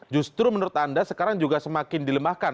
justru menurut anda sekarang juga semakin dilemahkan